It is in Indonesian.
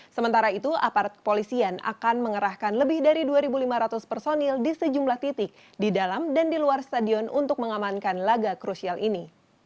sementara itu aparat kepolisian akan mengerahkan lebih dari dua lima ratus personil di sejumlah titik di dalam dan di luar stadion untuk mengamankan laga krusial ini